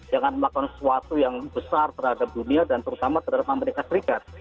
jangan melakukan sesuatu yang besar terhadap dunia dan terutama terhadap amerika serikat